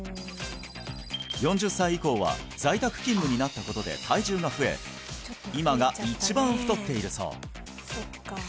４０歳以降は在宅勤務になったことで体重が増え今が一番太っているそう